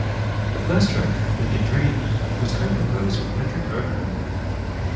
The first track, "Wicked Dream", was co-composed with Patrick O'Hearn.